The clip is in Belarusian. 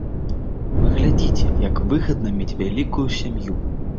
Вы глядзіце, як выгадна мець вялікую сям'ю!